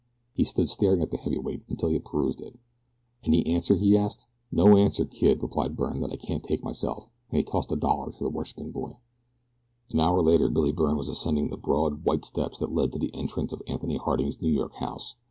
He stood staring at the heavy weight until he had perused it. "Any answer?" he asked. "No answer, kid," replied Byrne, "that I can't take myself," and he tossed a dollar to the worshiping boy. An hour later Billy Byrne was ascending the broad, white steps that led to the entrance of Anthony Harding's New York house.